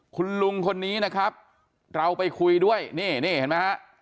คุณลุงคนนี้นะครับเราไปคุยด้วยนี่นี่เห็นไหมฮะ